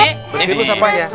hah bersihin dulu sampahnya